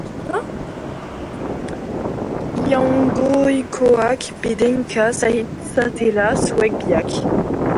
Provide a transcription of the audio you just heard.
Jaungoikoak bedeinka zaitzatela zuek biak.